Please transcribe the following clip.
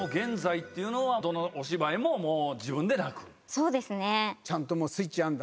そうですね。